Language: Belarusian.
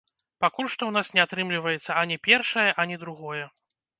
Пакуль што ў нас не атрымліваецца ані першае, ані другое.